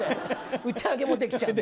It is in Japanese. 打ち上げもできちゃうんだ。